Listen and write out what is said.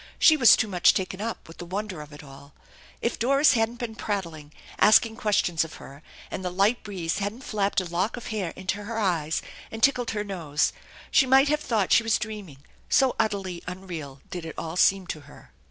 She was too much taken. up with the wonder of it all. If Doris hadn't been prattling, asking questions of her, and the light breeze hadn't flapped a lock of hair into her eyes and tickled her nose, she might have thought she was dreaming, so utterly unreal did it all seem to her.